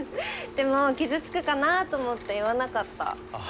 でも傷つくかなと思って言わなかった。